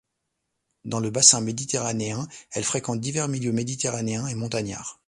Dans le Bassin méditerranéen elle fréquente divers milieux méditerranéens et montagnards.